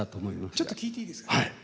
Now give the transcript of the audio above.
ちょっと聞いていいですか？